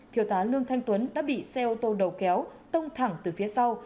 thiếu tá lương thanh tuấn đã bị xe ô tô đầu kéo tông thẳng từ phía sau